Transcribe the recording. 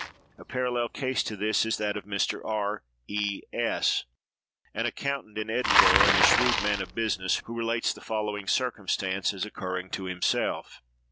A parallel case to this is that of Mr. R—— E—— S——, an accountant in Edinburgh, and a shrewd man of business, who relates the following circumstance as occurring to himself.